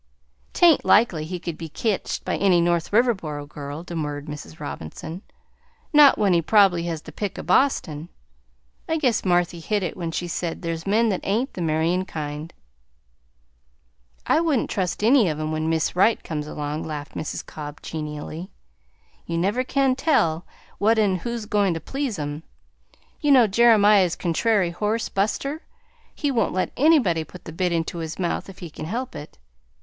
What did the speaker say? "'T ain't likely he could be ketched by any North Riverboro girl," demurred Mrs. Robinson; "not when he prob'bly has had the pick o' Boston. I guess Marthy hit it when she said there's men that ain't the marryin' kind." "I wouldn't trust any of 'em when Miss Right comes along!" laughed Mrs. Cobb genially. "You never can tell what 'n' who 's goin' to please 'em. You know Jeremiah's contrairy horse, Buster? He won't let anybody put the bit into his mouth if he can help it.